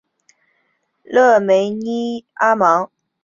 勒梅斯尼阿芒。